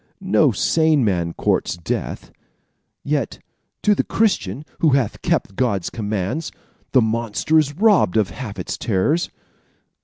"No sane man courts death; yet to the Christian, who hath kept God's commands, the monster is robbed of half his terrors.